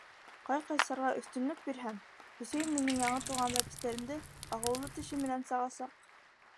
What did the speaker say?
Ҡай-Ҡайсарға өҫтөнлөк бирһәм, Хө-Өсәйен минең яңы тыуған бәпестәремде ағыулы теше менән сағасаҡ!